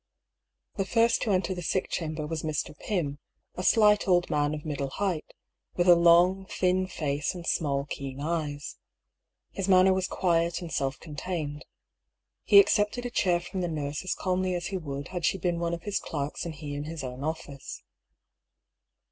The first to enter the sick chamber was Mr. Pym, a slight old man of middle height, with a long thin face and small keen eyes. His manner was quiet and self contained. He accepted a chair from the nurse as calmly as he would had she been one of his clerks and he in his own office.